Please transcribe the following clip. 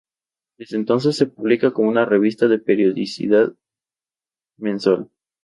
Desde entonces, se publica como una revista de periodicidad mensual.